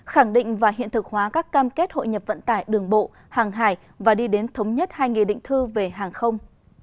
khẳng định và hiện thực hóa các cam kết hội nhập vận tải đường bộ hàng hải và đi đến thống nhất hai nghị định thư về hàng không